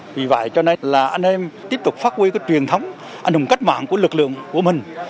vì vậy cho nên là anh em tiếp tục phát huy cái truyền thống anh hùng cách mạng của lực lượng của mình